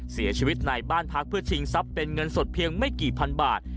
เสียชีวิตในบ้านพักเพื่อชิงทรัพย์เป็นเงินสดเพียงไม่กี่พันบาท